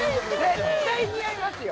絶対似合いますよ。